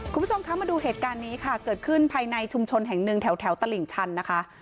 คุณผู้ชมคะมาดูเหตุการณ์นี้ค่ะเกิดขึ้นภายในชุมชนแห่งหนึ่งแถวตลิ่งชันนะคะ